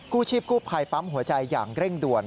ชีพกู้ภัยปั๊มหัวใจอย่างเร่งด่วน